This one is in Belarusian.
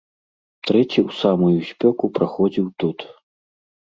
Трэці ў самую спёку праходзіў тут.